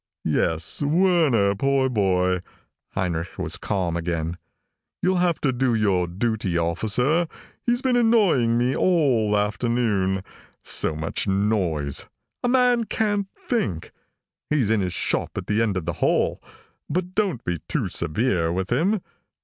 "Yes, Werner. Poor boy." Heinrich was calm again. "You'll have to do your duty, officer. He's been annoying me all afternoon. So much noise a man can't think. He's in his shop at the end of the hall. But don't be too severe with him.